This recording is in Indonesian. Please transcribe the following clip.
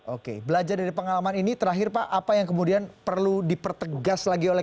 oke belajar dari pengalaman ini terakhir pak apa yang kemudian perlu dipertegas lagi oleh